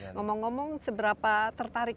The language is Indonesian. ngomong ngomong seberapa tertarik